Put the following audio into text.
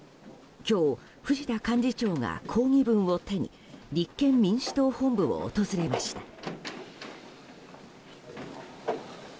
今日、藤田幹事長が抗議文を手に立憲民主党本部を訪れました。